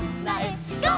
ゴー！」